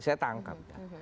saya tangkap ya